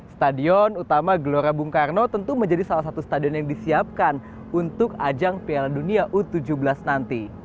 stadion utama gelora bung karno tentu menjadi salah satu stadion yang disiapkan untuk ajang piala dunia u tujuh belas nanti